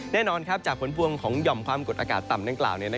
แน่นอนจากผลพวงของหย่อมความกดอากาศต่ำดังกล่าว